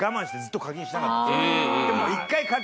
でも。